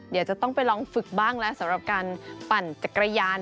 เดี๋ยวจะต้องไปลองฝึกบ้างแล้วสำหรับการปั่นจักรยาน